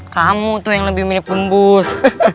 kamu itu yang lebih mirip gembus